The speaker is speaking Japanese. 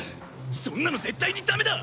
そんなの絶対にダメだ！